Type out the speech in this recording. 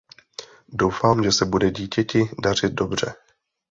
Doufám, že se bude dítěti dařit dobře!